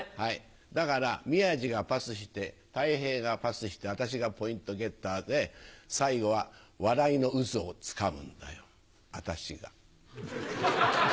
だから、宮治がパスして、たい平がパスして、私がポイントゲッターで、最後は笑いの渦をつかむんだよ、あたしが。